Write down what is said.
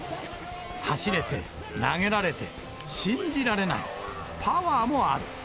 走れて、投げられて、信じられない、パワーもある。